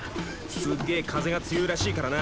すっげえ風が強いらしいからな。